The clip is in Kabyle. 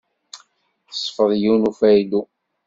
Tesfeḍ yiwen n ufaylu.